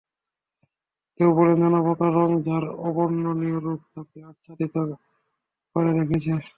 কেউ বলেন, নানা প্রকার রং যার অবর্ণনীয়রূপ তাকে আচ্ছাদিত করে রেখেছে।